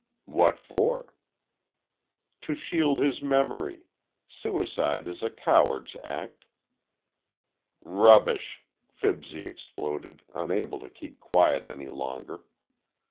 "What for?" "To shield his memory. Suicide is a coward's act." "Rubbish!" Fibsy exploded, unable to keep quiet any longer.